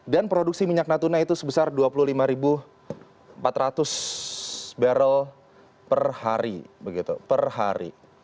dan produksi minyak natuna itu sebesar dua puluh lima empat ratus barrel per hari